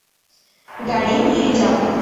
গাড়ি নিয়ে যাও।